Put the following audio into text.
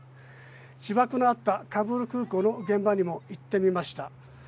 自爆のあったカブール空港の現場にも行ってみました。